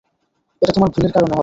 এটা তোমার ভুলের কারণে হবে।